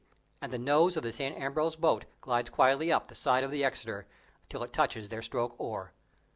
and the nose of the St. Ambrose boat glides quietly up the side of the Exeter till it touches their stroke oar.